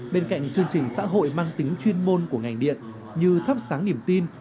bên cạnh chương trình xã hội mang tính chuyên môn của ngành điện như thắp sáng niềm tin